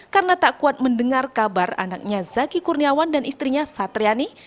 karena tak kuat mendengar kabar anaknya zaki kurniawan dan istrinya satriani